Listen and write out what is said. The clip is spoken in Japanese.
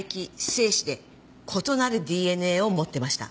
精子で異なるＤＮＡを持ってました。